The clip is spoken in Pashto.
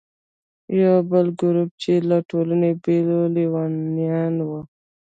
یو بل ګروپ چې له ټولنې بېل و، لیونیان وو.